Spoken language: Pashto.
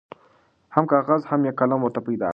هم کاغذ هم یې قلم ورته پیدا کړ